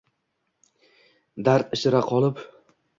Dard ichra qolib